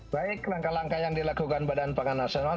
baik langkah langkah yang dilakukan badan pangan nasional